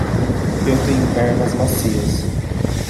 Eu tenho pernas macias.